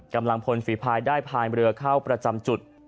กำลังพลฝีภายได้พายเรือเข้าประจำจุด